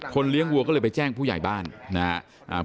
เลี้ยงวัวก็เลยไปแจ้งผู้ใหญ่บ้านนะครับ